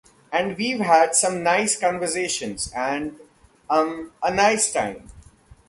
And we've had some nice conversations and, um, a nice time.